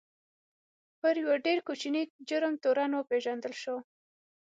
پر یوه ډېر کوچني جرم تورن وپېژندل شو.